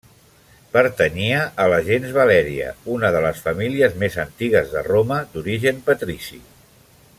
Pertanyia a la gens Valèria, una de les famílies més antigues de Roma d'origen patrici.